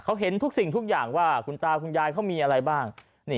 เขาเห็นทุกสิ่งทุกอย่างว่าคุณตาคุณยายเขามีอะไรบ้าง